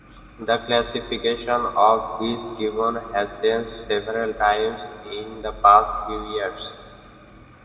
The classification of this gibbon has changed several times in the past few years.